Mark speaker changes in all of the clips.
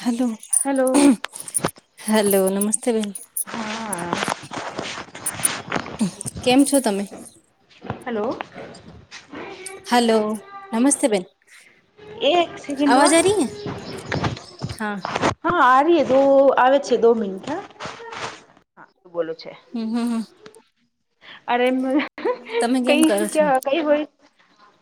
Speaker 1: Hello.
Speaker 2: Hello.
Speaker 1: Hello નમસ્તે બેન.
Speaker 2: હા
Speaker 1: કેમ છો તમે?
Speaker 2: હલો.
Speaker 1: હલો નમસ્તે બેન.
Speaker 2: એક એક
Speaker 1: આવાજ
Speaker 2: સેકન્ડમાં.
Speaker 1: આ રહી હે હા
Speaker 2: હા આ રિ દો આવે છે દો મિનિટ હા શું બોલો છે.
Speaker 1: હમ હમ!
Speaker 2: અરે
Speaker 1: તમે કેમ
Speaker 2: કઈ
Speaker 1: કરો
Speaker 2: ક
Speaker 1: છો
Speaker 2: કઈ હોય.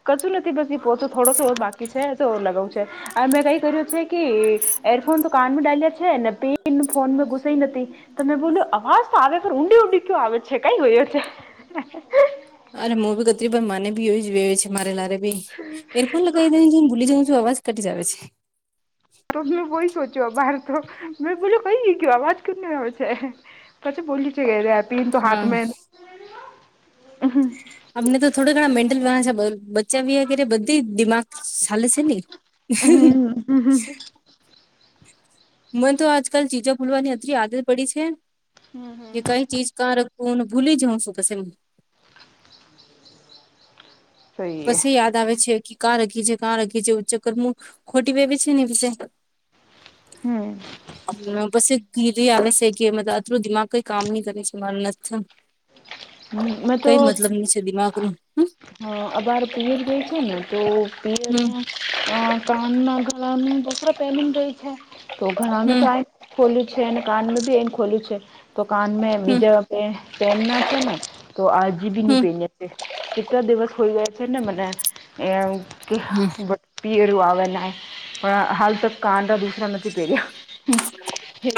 Speaker 2: કચું નથી બસ એ પોચો થોડો બાકી છે લગાવું છે. આ મેં કઈ કર્યું છે કી એરફોન તો કાનમાં ડાલ્યા છે ને પે ફોનમાં ઘુસે નથી તમે બોલ્યો અવાજ તો આવેખ ઊંડી ઊંડી કયયો આવે છે કઈ ગયયો છે [unintelligible]
Speaker 1: અરે હું બી કત્રી ભાઈ મને ભી એ છે મારે લારે ભી એ કઈ દ જે બ ભુલી જઉ છું આવાજ કાટી જા છે
Speaker 2: ત મે વહી સોચ્યું બાર તો મેં બોલ્યો કઈ કું આવાજ કુને હો છે પછી બોલી છે ગ રે પીન તો
Speaker 1: હા
Speaker 2: હાથમાં
Speaker 1: અમને તો થોડા ઘણા મેન્ટલ. ચાવી વગેરે, બધી દિમાગ ચાલે છે ને.
Speaker 2: હમ હમ
Speaker 1: મને તો આજકાલ ચીજો ભૂલવાની અતલી આદત પડી છે કે, કઈ ચીજ ક હું ને, ભૂલી જઉ શું પછી?
Speaker 2: સહી હે.
Speaker 1: પછી યાદ આવે છે કે, કાં રખી છે, કાં રખી છે, ચક્કરમ ખોટી વવી છે ને, પસે.
Speaker 2: હમ
Speaker 1: અને પછી. કીધ આવે છે કે, મત અટલું દિમાગ કઈ કામ નહી કરે છે, મારા નથી.
Speaker 2: મેં તો
Speaker 1: કઈ મતલબ ન છે, દિમાગ નું હ.
Speaker 2: હા, અ બાર પિયર જોઈ છે ને, તો
Speaker 1: હમ
Speaker 2: પિયરમાં. હ, કાન ના ઘણાનું દોરા પહેલ રય છે, તો ઘણા ન
Speaker 1: હમ
Speaker 2: તો આ [unintelligible] ખોલું છે, અને કાન બી એ ખોલું છે, તો કાન મે
Speaker 1: હમ
Speaker 2: બીજા પેન ના છે ને. તો આજી બી ની
Speaker 1: હમ
Speaker 2: પે કેટલા દિવસ હોઈ જાય છે ને, મને એ કે
Speaker 1: હમ
Speaker 2: ભી રુ, આવણ હાલ ત કાન દૂ. નથી પહેર્યા,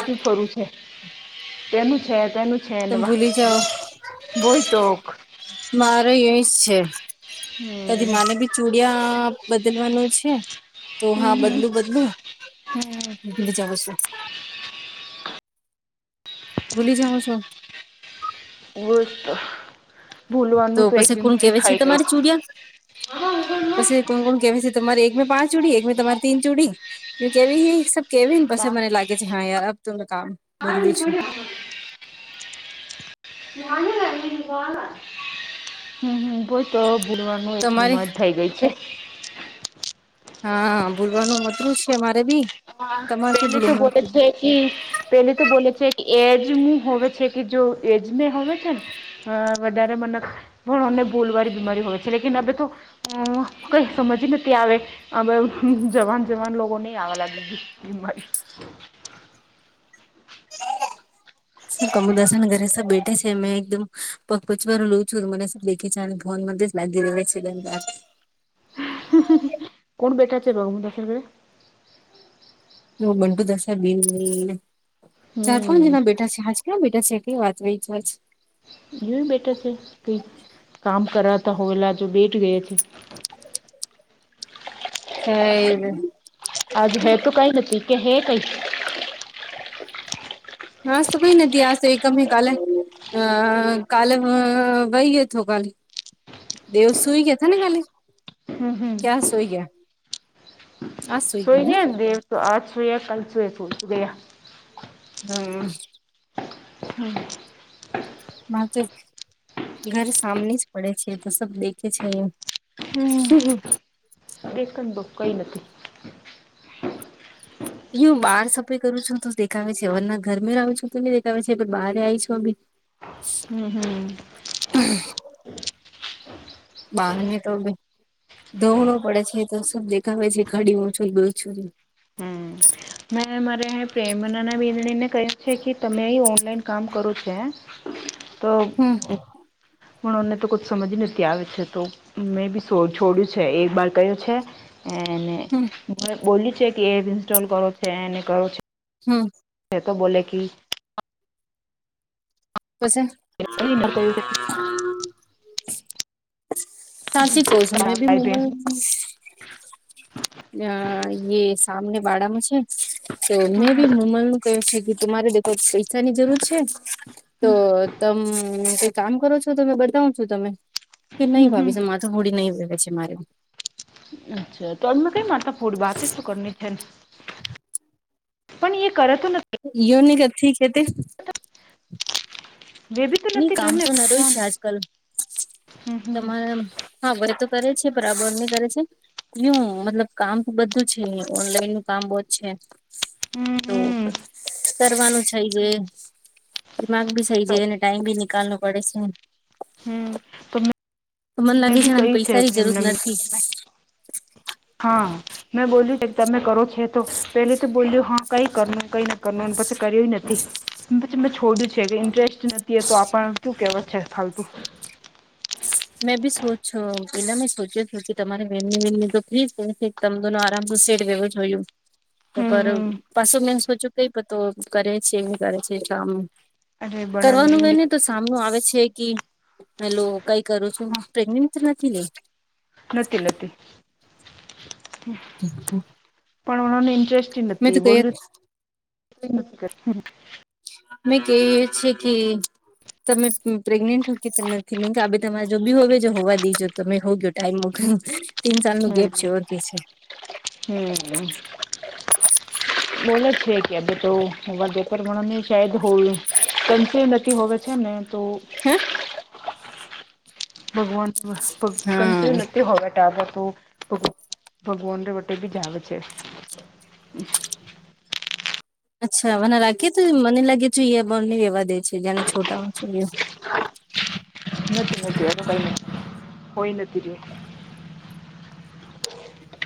Speaker 2: જું ખરું છે, તેનું છે, તેનું. છે ને વાહ
Speaker 1: તંબોલી જાઓ.
Speaker 2: બોય તો
Speaker 1: [unintelligible] મારો એ જ છે, કદી
Speaker 2: હમ
Speaker 1: મને બી. ચુડિયા બદલવાનું છે, તો હા,
Speaker 2: હમ
Speaker 1: બદલું બદલું.
Speaker 2: હમ
Speaker 1: ભ જવશે [unintelligible] ભૂલી જાઓ છો.
Speaker 2: વુસ્ તો [unintelligible]
Speaker 1: તો
Speaker 2: ભૂલવાનું એક
Speaker 1: પછી કોણ
Speaker 2: બીમારી
Speaker 1: કેવા છે,
Speaker 2: થઈ ગઈ
Speaker 1: તમારી ચુડિયા. પછી કોણ કોણ કે છે, તમારે એક મેં પાંચ ચુડી એક મેં તમારી તીન ચુડી. એ કેવી એ સબ કેવી ને, પછી મને લાગે છે. હા, યાર અબ ત કામ બદલું છું.
Speaker 2: વાળ હમ [unintelligible] તો ભૂલવાનું એટલી
Speaker 1: તમારે
Speaker 2: મજા થઇ ગઈ છે.
Speaker 1: હા, ભૂલવાનું મતરું છે મારે બી.
Speaker 2: હા,
Speaker 1: તમારથી
Speaker 2: પેલી તો બોલે છે.
Speaker 1: ભૂલવાનું
Speaker 2: હ, પે તો બોલે છે કે, એજમું હો છે કે, જો એજમે હ છે ને. હ, વધારે મને હને, બોલવાી બીમારી હોય છે, લેકન અ તો અ કઈ સમજી નથી આવે, જવાન જવાન લોકો નહી આવવા લાગી. એમાં.
Speaker 1: હા. કમલદાસ ના ઘરે સબ બેઠે છે, મે એકદમ પ પચવાર લઉં છું મને દેખે છે ભોન. નાગીરે વ છેી દ [unintelligible]
Speaker 2: કોણ બેટાર છે ભગ મુ દર [unintelligible]
Speaker 1: બંટુદાાસ બેન ચાર પાંચ
Speaker 2: હમ
Speaker 1: જણા બેઠા છેજ [unintelligible] ક્યાં બેટા છેટલી વાત હો એ જ વા [unintelligible]
Speaker 2: એવી બેઠર છે કે, કામ કરાતા હોયલા, જો બેઠ ગયા છે.
Speaker 1: હ.
Speaker 2: આજુ હે તો, કઈ નથી કે હે કઈ.
Speaker 1: હસ તો કઈ નથી, આશે એકમ કાલે. અ કાલ વહી તો, તો કાલ તેઓ સુઈ ગયા હતા ને કાલે?
Speaker 2: હમ હમ
Speaker 1: ક્યાં સુઈ ગયા હતા?
Speaker 2: સુોઈએ દવ તો આ સુ કાલ સુરે સુ સુ ગ્યા [unintelligible]
Speaker 1: હમ.
Speaker 2: હમ.
Speaker 1: મારે તો ઘર સામની જ પડે છે તો સબ દેખે છે એ.
Speaker 2: હમ, દક બો કઈ નથી.
Speaker 1: યું બહાર સફેાઈ કરું છું તો દેખાવે છે અવરના ઘરમે રહું છું તો દેખાવે છે પણ બહાર આવી છું અ બી.
Speaker 2: હમ હમ.
Speaker 1: હા [unintelligible] બહાર ને, તો ધોવણું પડે છે તો સ દેખાવે છે ઘડી છું બછું.
Speaker 2: મે મારે પ્રેમના ને કહે છે કે તમે એ ઓનલાઈન કામ કરો છે.
Speaker 1: હમ [inaudible]
Speaker 2: તો, હને તો ક સમજ નથી આવે છે તો. મેં બી છોડ્યું છે એક બર કયો છે. એને
Speaker 1: હમ
Speaker 2: હ બોલી છે કે એ ઇન્સ્ટોલ કરો છે એને કરો છે.
Speaker 1: હમ.
Speaker 2: તે તો બોલે કે
Speaker 1: કશે.
Speaker 2: અચ્છા
Speaker 1: સાચી કું છું મેં બી મોમ અ સામને બાડાામાં છે, તો મેં બી મમલ નું કહ્યું છે ગી રે દખો પૈસાની જરૂર છે, તો તમ ક કામ કરો છો તમે બતાવ છું તમે, કે નહીં ભાવી છે માથું હોડી નહીં વવે છે મારે.
Speaker 2: અચ્છા તો અમક માતા ભોરી વાતતો કર છે. પણ એ કરત નથી.
Speaker 1: યો ન કરે તે. હમ [inaudible]
Speaker 2: વે બી તો
Speaker 1: ન
Speaker 2: નથી કરે
Speaker 1: કામ તો
Speaker 2: ને
Speaker 1: ના રય
Speaker 2: જાન
Speaker 1: છે આજકાલ,
Speaker 2: હમ હમ
Speaker 1: તમારે હા ભ એ તો કરે છે બરાબર નહી કરે છે. કું મતલબ કામ તો બધું છે ઓનલાઈન નું કામ બહ જ છે.
Speaker 2: હમ
Speaker 1: તો
Speaker 2: હમ
Speaker 1: કરવાનું થઈ જ, દિમાગ ભી થઈ જ. ટાઈ ભ નિકાલનો પડે છે.
Speaker 2: હમ તો
Speaker 1: તો મને લાગે
Speaker 2: મેં બી
Speaker 1: ને
Speaker 2: કય છે
Speaker 1: પૈસાની જરૂર
Speaker 2: પ્રેમનમી
Speaker 1: નથી
Speaker 2: તમે હા. મેં બોલ્યું છે તમે કરો છે તો પેલે તો બોલ્યું હા કઈ કરનું કઈ ન કરવ પછી કર્યું નથી. પછી મેં છોડ્યું છે કે ઇન્ટરેસ્ટ નથી એ તો આપણને કુ કેવત છે ફાલતુ.
Speaker 1: મેં સોચો પેલા મેં સોચ્યો છ કે તમારે મ્ય વ્ય તો ફ્રી પસે. તમધુ ન આરામ સીટ વેવું જોયું. તો
Speaker 2: હમ
Speaker 1: પર
Speaker 2: હમ
Speaker 1: પાછું મે સોચ્યું કઈ તો કરે છે એ કરે છે કામ.
Speaker 2: અરે બનાને
Speaker 1: કરવાનું
Speaker 2: યુનિ
Speaker 1: એને તો સામનું આવે છે કે પેલ કઈ કરું છું
Speaker 2: હા
Speaker 1: પ્રેગનેન્ટ નથી ને?
Speaker 2: નથી નથી, પણ ઓને ઇન્ટરેસ્ટ
Speaker 1: મેં તો
Speaker 2: નથી
Speaker 1: ક
Speaker 2: બોલું
Speaker 1: અમે કહીએ છેએ કે તમે પ્રેગ્નેન્ટ હો કે નથી મેમ કે આ તમારે જો બી હોવે જો હોવા દઈજો તમે હો ગયો. ટાઈમ મુક તીન સાલ નું ગેપ છે ઓર કે છે.
Speaker 2: હમ. બોલો જ છે કે તો મને શદ હોયું ત નથી. હો છે ને તો
Speaker 1: હે
Speaker 2: ભગવાન [unintelligible]
Speaker 1: હા
Speaker 2: નહીં હોવે આજે તો ભ ભગવાનને [unintelligible] બી જાવે છે
Speaker 1: અચ્છા વને રાખીએ તો મને લાગે છે એ બોન ને રેવા દે છે જેને છોટામાં છો લું
Speaker 2: નથી નથી એનું કઈ નતી કોઈ નથી રયુ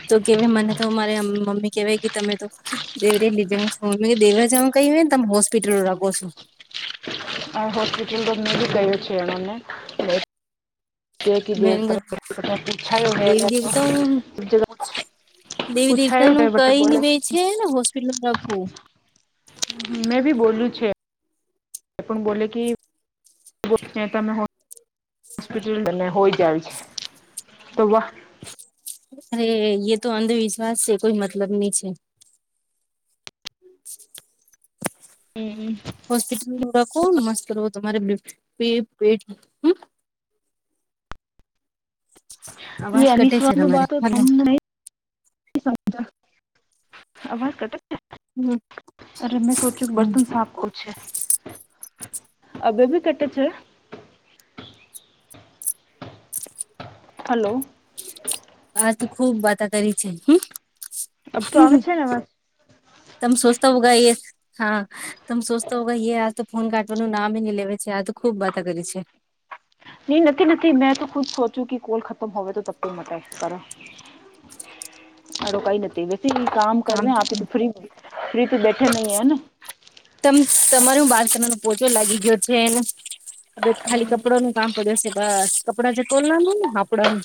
Speaker 1: તો કેવી મને તો મારે આમ મમ્મી કહેવાય કે તમે તો દેવરી લીજા છો ને દેવ રાજા કહી ને તમે હોસ્પિટલની રાખો છો
Speaker 2: આ હોસ્પિટલ તો અમે કઈ છે એણને
Speaker 1: મે દેવી દેવતા
Speaker 2: [inaudible]
Speaker 1: દેવી દેવતા
Speaker 2: પૂછાયું
Speaker 1: નું
Speaker 2: બટ
Speaker 1: કહી ને
Speaker 2: બોલે
Speaker 1: બે છેને હોસ્પિટલ પોચવું
Speaker 2: મેં બી બોલું છે પણ બોલે કે [inaudible] તમે હોસ્પિટલ ને હોય જાય છે તો વાહ
Speaker 1: અરે યે તો અંધવિશ્વાસ છે કોઈ મતલબ નહી છે
Speaker 2: એ
Speaker 1: હોસ્પિટલમાં રાખો મસ્ત કરો તમારે બીપી ભી હમ અવાજ
Speaker 2: એ
Speaker 1: કટે છે તમારે
Speaker 2: [unintelligible]
Speaker 1: હલો
Speaker 2: તમને જ [inaudible] આવાજ કટે [inaudible] અરે મેં સોચું બર્તન સાપ કરું છે અબી ભી કટે છે હલો
Speaker 1: આજ તો ખુબ વાતા કરી છે હન
Speaker 2: અબ તો આવે
Speaker 1: હહંન
Speaker 2: છે ને અવાજ
Speaker 1: તમે સોચતા હોગા એ હા તમે સોચતા હો કે આ તો ફોન કાઢવાનું નામ જ નહી લેવે છે આ તો ખુબ બાતા કરી છે
Speaker 2: નહી નથી નથી મેં તો ખુદ સોચ્યું કે કોલ ખતમ હોવે તો [unintelligible] મટે એક હારે મારો કઈ નથી બેન થી કામ કરવે આપી તો ફ્રી ફ્રી તો બેઠે નહી હે ને
Speaker 1: તમ તમારુ બાલ્કની નો પોચો લાગી ગયો છેને હ ખાલી કપડા નું કામ પડ્યુંશે બસ કપડાં જે તોલનાનું ને કપડાનું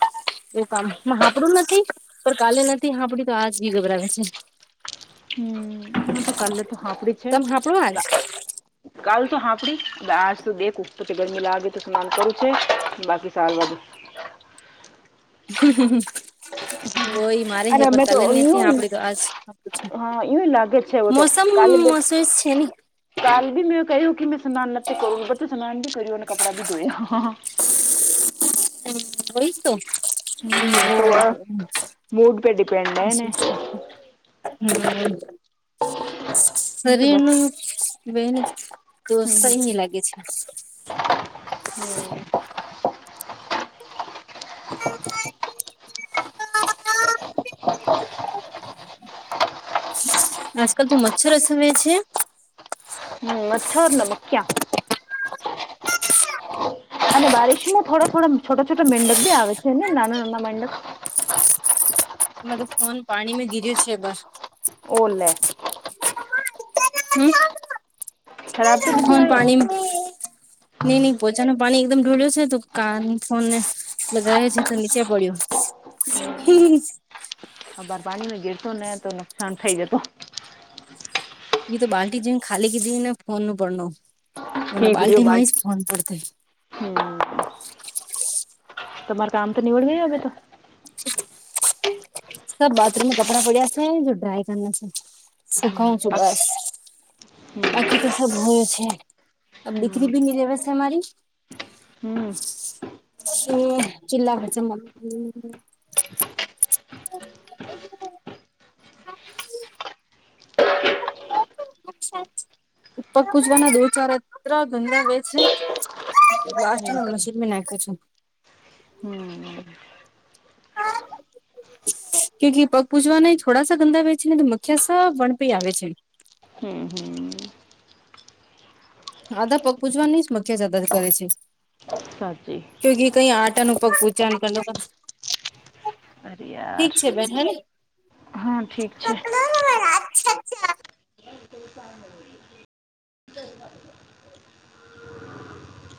Speaker 1: એવું કામ હાપડું નથી પણ કાલે નથી હાપડી તો આજ બી ગભરાવે છે
Speaker 2: હમ એ તો કાલે તો હાંપડી છે
Speaker 1: તમે હાપડો આજ
Speaker 2: કાલ તો હાફડી આજ તો દેખ ઉપર ગરમી લાગે તો સ્નાન કરું છે બાકી સારુંવાળુ
Speaker 1: [unintelligible] મારે હે
Speaker 2: અરે
Speaker 1: પર
Speaker 2: અમે તો
Speaker 1: કાલે નથી
Speaker 2: યું
Speaker 1: આપડી તો આજ
Speaker 2: હા યું લાગે છે
Speaker 1: મોસમ મોશેજ [unintelligible]
Speaker 2: કાલભી મે કહ્યું કે મેં સ્નાન નથી કરું પણ મેં તો સ્નાન બી કરીયું ને કપડાભી ધોયા
Speaker 1: હમ વોઈ તો હમ વો
Speaker 2: મૂડ પે ડિપેન્ડ હે ને
Speaker 1: હમ
Speaker 2: તો
Speaker 1: શરીર
Speaker 2: બસ
Speaker 1: નું યુ બેહેની તો
Speaker 2: હમ
Speaker 1: સહી ની લાગે છે
Speaker 2: હમ
Speaker 1: [inaudible]
Speaker 2: [inaudible]
Speaker 1: આજકાલ તો મચ્છર અસવે છે
Speaker 2: મચ્છર ને મખીઆ અને બારીશ માં થોડા-થોડા, છોટા-છોટા મેંડક બી આવે છે, ને નાના-નાના મેડક.
Speaker 1: મારો ફોન પાણી મેમાં ગીર્યો છે, બા.
Speaker 2: ઓ લે.
Speaker 1: હમ,
Speaker 2: ખરાબ તો નથી
Speaker 1: કોન
Speaker 2: આવ્યો
Speaker 1: પાણી. નહી, નહીં, પોચા ના પાણી એકદમ ઢોળ્યો છે, તો કાન ફોનને લગાવે છે, તો નીચે પડ્યું. હી, હી.
Speaker 2: આ બાર પાણી માં ગેરતો ને, તો નુકસાન થઈ જતો.
Speaker 1: તો બાલ્ટી જે ખાલી કીધી ને, ફોન પડે ને.
Speaker 2: ઠીક રઓ બ હમ [unintelligible] તમારા કામ તો નીવડુ ગયું, હવે તો.
Speaker 1: સર બાથરૂમમાં કપડા પડ્યા છે, જો ડ્રાય કરના છે, સુખાવ છું
Speaker 2: બાકી
Speaker 1: બસ. બાકી તો સબ હોયું છે,
Speaker 2: હમ
Speaker 1: દીકરી ભી નની રેવસ અમારી. હ ચિલાખ [unintelligible] [unintelligible] ઉપર કૂજવાના દો ચારાત્ર ગંધા વ છે [unintelligible] લાસ
Speaker 2: હમ
Speaker 1: નસરમી નાયકું.
Speaker 2: હમ.
Speaker 1: હા. કકે પગ પૂજવાના થોડાસા ગંદા આવે છે ને, મખ્યા સા વણપી આવે છે.
Speaker 2: હમ, હમ.
Speaker 1: આધા પગૂ જવા નહી, મખજ અંદર કરે છે.
Speaker 2: સાચી.
Speaker 1: કકી કઈ આટા ન પગ પૂચા ન કર [unintelligible]
Speaker 2: અરે
Speaker 1: ઠીક
Speaker 2: યાર
Speaker 1: છે બેન, હ.
Speaker 2: હા, ઠીક છે.